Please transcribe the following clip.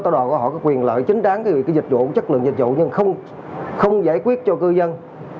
tôi đòi gọi họ quyền lợi chính đáng cái dịch vụ chất lượng dịch vụ nhưng không giải quyết cho cư dân